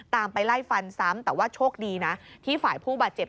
ไปไล่ฟันซ้ำแต่ว่าโชคดีนะที่ฝ่ายผู้บาดเจ็บ